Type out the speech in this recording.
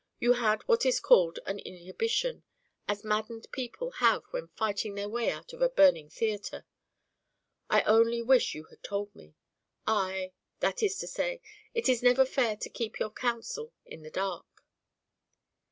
You had what is called an inhibition as maddened people have when fighting their way out of a burning theatre. I only wish you had told me. I that is to say, it is never fair to keep your counsel in the dark."